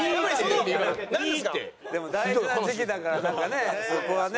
でも大事な時期だからなんかねそこはね。